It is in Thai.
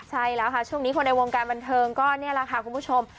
ใช่แล้วค่ะช่วงนี้คนในวงการบันเทิงก็นี่แหละค่ะคุณผู้ชม